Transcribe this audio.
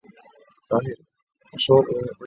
瑞典最热榜。